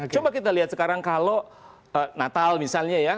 coba kita lihat sekarang kalau natal misalnya ya